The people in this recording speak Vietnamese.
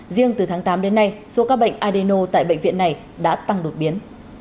riêng từ tháng tám đến nay số ca bệnh adeno tại bệnh viện này đã tăng đột biến